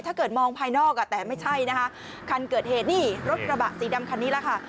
ถ้าเกิดมองภายนอกอ่ะแต่ไม่ใช่นะคะคันเกิดเหตุนี่รถกระบะสีดำคันนี้แหละค่ะ